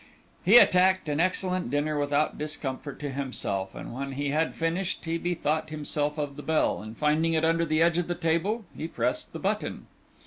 He attacked an excellent dinner without discomfort to himself, and when he had finished he bethought himself of the bell, and finding it under the edge of the table, he pressed the button.